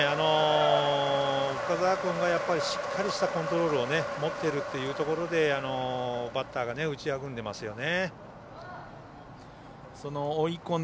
深沢君がしっかりしたコントロールを持っているというところでバッターが打ちあぐねてますよね。